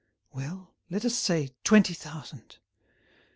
"Well, let us say twenty thousand.